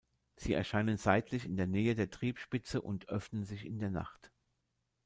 Sie erscheinen seitlich in der Nähe der Triebspitze und öffnen sich in der Nacht.